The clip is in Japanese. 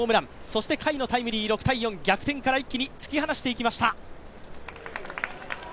そして甲斐のタイムリーで６−４、逆転から一気に突き放していきました！